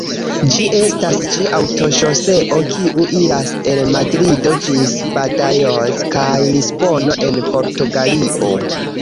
Ĝi estas ĉe aŭtoŝoseo kiu iras el Madrido ĝis Badajoz kaj Lisbono, en Portugalio.